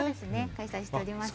開催しております。